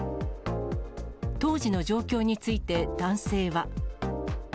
当時の状況について、男性は。